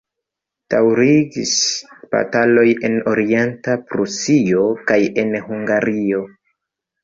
Daŭrigis bataloj en Orienta Prusio kaj en Hungario.